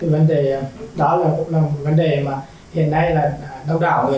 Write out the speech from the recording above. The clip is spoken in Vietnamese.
vâng thưa anh